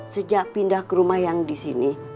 sejak pindah ke rumah yang disini